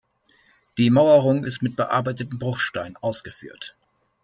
Die Mauerung ist mit bearbeiteten Bruchsteinen ausgeführt.